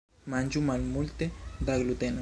Manĝu multe da gluteno.